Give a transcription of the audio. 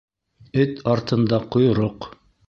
Эт артында ҡойроҡ